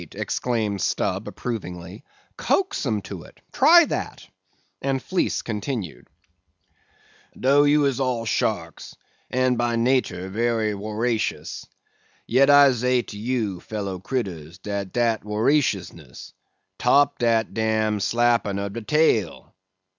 exclaimed Stubb, approvingly, "coax 'em to it; try that," and Fleece continued. "Do you is all sharks, and by natur wery woracious, yet I zay to you, fellow critters, dat dat woraciousness—'top dat dam slappin' ob de tail!